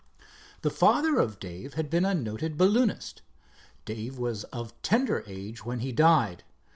The father of Dave had been a noted balloonist. Dave was of tender age when he died.